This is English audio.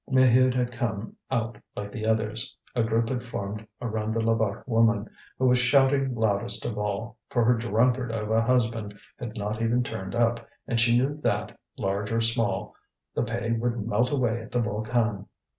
Maheude had come out like the others. A group had formed around the Levaque woman, who was shouting loudest of all, for her drunkard of a husband had not even turned up, and she knew that, large or small, the pay would melt away at the Volcan.